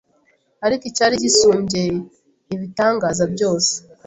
Ariko icyari gisumbye ibitangaza byose,